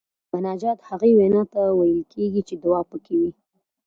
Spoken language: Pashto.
مناجات هغې وینا ته ویل کیږي چې دعا پکې وي.